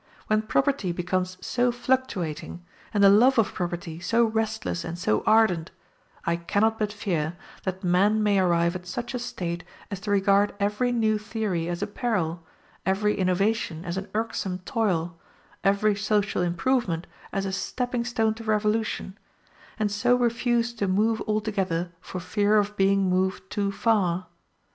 When property becomes so fluctuating, and the love of property so restless and so ardent, I cannot but fear that men may arrive at such a state as to regard every new theory as a peril, every innovation as an irksome toil, every social improvement as a stepping stone to revolution, and so refuse to move altogether for fear of being moved too far.